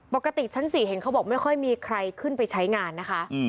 ปกติชั้น๔เห็นเขาบอกไม่ค่อยมีใครขึ้นไปใช้งานนะคะ